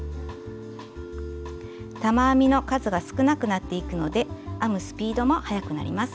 玉編みの数が少なくなっていくので編むスピードもはやくなります。